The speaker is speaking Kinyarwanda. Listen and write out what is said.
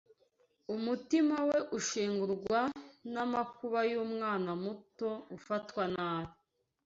Umutima we ushengurwa n’amakuba y’umwana muto ufatwa nabi